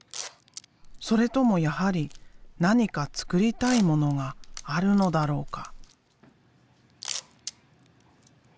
それともやはり何か作りたいものがあるのだろうか？